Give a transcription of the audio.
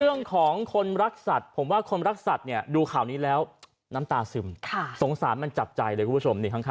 เรียนของคนรักสัตย์ดูข่าวนี้แล้วสงสารจะมันจับใจเลยค่ะ